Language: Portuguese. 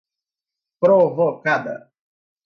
provocada